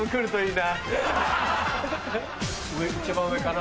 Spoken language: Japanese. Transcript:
一番上かな？